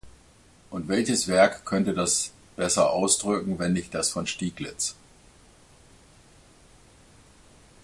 Und welches Werk könnte das besser ausdrücken, wenn nicht das von Stieglitz?